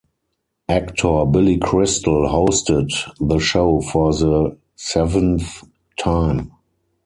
Actor Billy Crystal hosted the show for the seventh time.